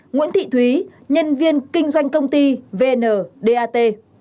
nguyễn thị thúy nhân viên kinh doanh công ty vndat